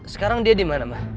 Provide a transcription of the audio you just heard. sekarang dia di mana mah